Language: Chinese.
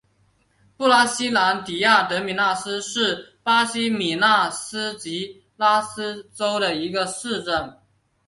布拉西兰迪亚德米纳斯是巴西米纳斯吉拉斯州的一个市镇。